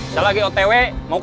saya lagi otw mau ke